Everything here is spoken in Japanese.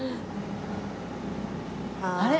あれ？